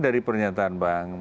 dari pernyataan bank